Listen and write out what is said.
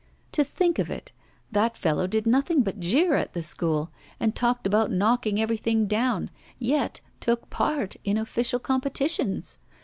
To think of it. That fellow did nothing but jeer at the School, and talked about knocking everything down, yet took part in official competitions!